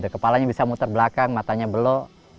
kepalanya bisa muter belakang matanya belok